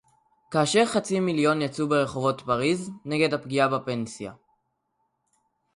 כאשר חצי מיליון יצאו ברחובות פריס נגד הפגיעה בפנסיה